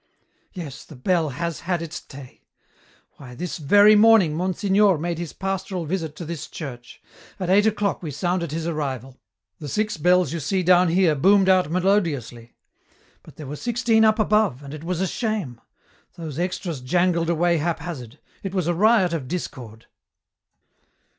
"Yes, the bell has had its day. Why, this very morning, Monsignor made his pastoral visit to this church. At eight o'clock we sounded his arrival. The six bells you see down here boomed out melodiously. But there were sixteen up above, and it was a shame. Those extras jangled away haphazard. It was a riot of discord."